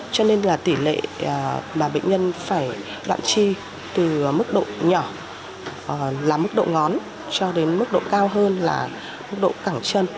cho nên là tỷ lệ mà bệnh nhân phải lạm chi từ mức độ nhỏ là mức độ ngón cho đến mức độ cao hơn là mức độ cẳng chân